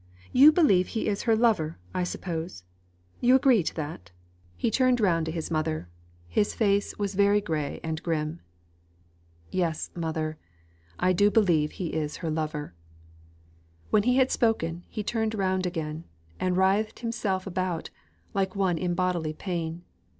You believe he is her lover, I suppose you agree to that." He turned round to his mother; his face was very gray and grim. "Yes, mother. I do believe he is her lover." When he had spoken, he turned round again; he writhed himself about, like one in bodily pain.